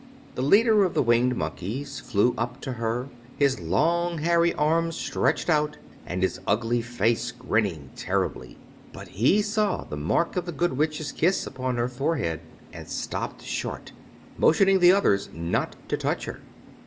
The leader of the Winged Monkeys flew up to her, his long, hairy arms stretched out and his ugly face grinning terribly; but he saw the mark of the Good Witch's kiss upon her forehead and stopped short, motioning the others not to touch her.